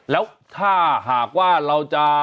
แล้วถ้าหากว่าเราจะ